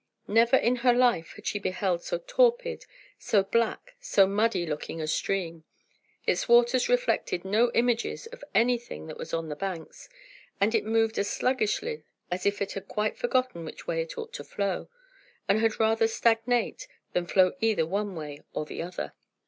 Never in her life had she beheld so torpid, so black, so muddy looking a stream: its waters reflected no images of anything that was on the banks, and it moved as sluggishly as if it had quite forgotten which way it ought to flow, and had rather stagnate than flow either one way or the other.